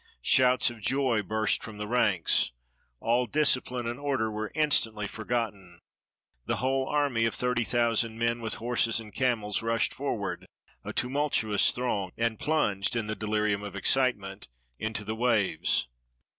Shouts of joy burst from the ranks. All discipline and order were instantly forgotten. The whole army of thirty thousand men, with horses and camels, rushed forward, a tumultu ous throng, and plunged, in the deHrium of excitement, into the waves.